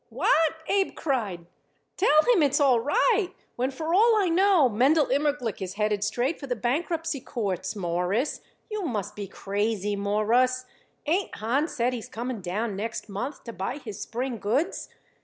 "What!" Abe cried. "Tell him it's all right, when for all I know Mendel Immerglick is headed straight for the bankruptcy courts, Mawruss. You must be crazy, Mawruss. Ain't Hahn said he's coming down next month to buy his spring goods?